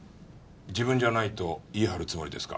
自分じゃないと言い張るつもりですか？